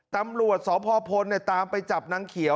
ตำรวจสพพลตามไปจับนางเขียว